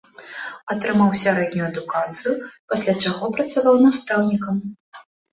Атрымаў сярэднюю адукацыю, пасля чаго працаваў настаўнікам.